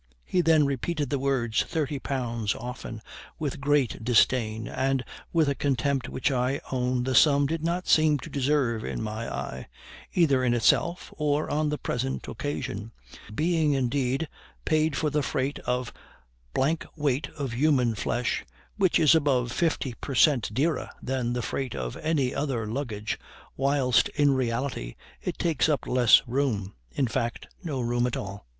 He then repeated the words thirty pounds often, with great disdain, and with a contempt which I own the sum did not seem to deserve in my eye, either in itself or on the present occasion; being, indeed, paid for the freight of weight of human flesh, which is above fifty per cent dearer than the freight of any other luggage, whilst in reality it takes up less room; in fact, no room at all.